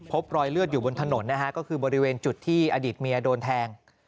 พบรอยเลือดอยู่บนถนนนะฮะก็คือบริเวณจุดที่อดีตเมียโดนแทง